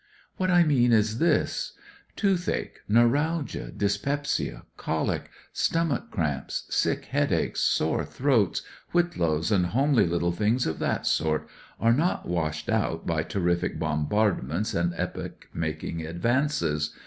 "What I mean is this: toothache, neuralgia, dyspepsia, colic, stomach cramps, sick headaches, sore throats, whit lows, and homely little things of that sort, are not washed out by terrific bombard ments and epoch making advances.